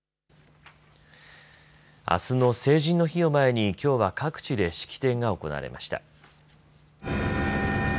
あすの成人の日を前にきょうは各地で式典が行われました。